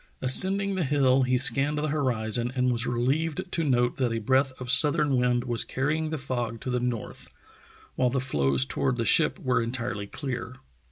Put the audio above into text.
Ascending the hill he scanned the horizon and was relieved to note that a breath of southern wind was carrying the fog to the north, while the floes toward the ship were entirely clear.